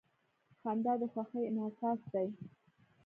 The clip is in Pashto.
• خندا د خوښۍ انعکاس دی.